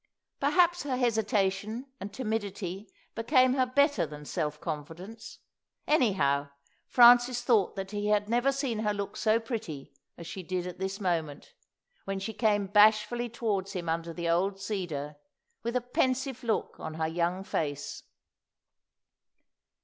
Perhaps her hesitation and timidity became her better than self confidence; anyhow, Francis thought that he had never seen her look so pretty as she did at this moment, when she came bashfully towards him under the old cedar with a pensive look on her young face.